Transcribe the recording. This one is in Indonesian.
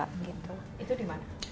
itu di mana